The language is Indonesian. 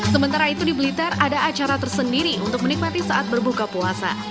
sementara itu di blitar ada acara tersendiri untuk menikmati saat berbuka puasa